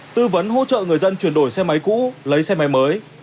tư vấn hỗ trợ người dân chuyển đổi xe máy cũ lấy xe máy mới